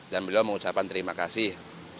dan beliau mengucapkan terima kasih